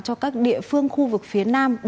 cho các địa phương khu vực phía nam